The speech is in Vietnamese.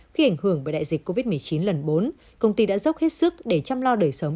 khi ảnh hưởng bởi đại dịch covid một mươi chín lần bốn công ty đã dốc hết sức để chăm lo đời sống